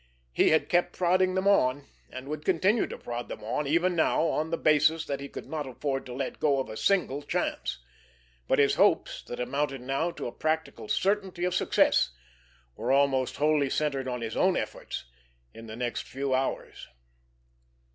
He had kept prodding them on, and would continue to prod them on even now on the basis that he could not afford to let go of a single chance; but his hopes, that amounted now to a practical certainty of success, were almost wholly centered on his own efforts in the next few hours.